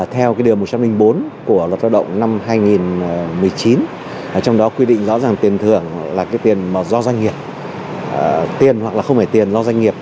theo điều một trăm linh bốn của luật lao động năm hai nghìn một mươi chín trong đó quy định rõ ràng tiền thưởng là cái tiền do doanh nghiệp tiền hoặc là không phải tiền do doanh nghiệp